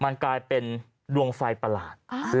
มันกลายเป็นดวงไฟประหลาด